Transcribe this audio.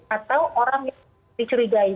atau orang yang dicurigai